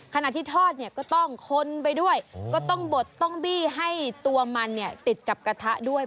ขณะที่ทอดเนี่ยก็ต้องคนไปด้วยก็ต้องบดต้องบี้ให้ตัวมันเนี่ยติดกับกระทะด้วย